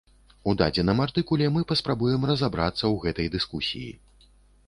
У дадзеным артыкуле мы паспрабуем разабрацца ў гэтай дыскусіі.